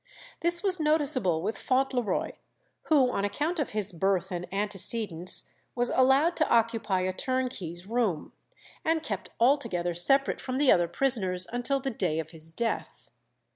This was noticeable with Fauntleroy, who, on account of his birth and antecedents, was allowed to occupy a turnkey's room, and kept altogether separate from the other prisoners until the day of his death.